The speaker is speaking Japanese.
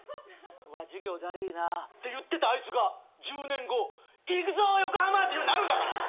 「うわ授業だりいな」って言ってたあいつが１０年後「いくぞ横浜」って言うようになるんだから。